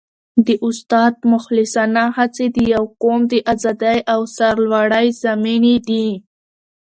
د استاد مخلصانه هڅې د یو قوم د ازادۍ او سرلوړۍ ضامنې دي.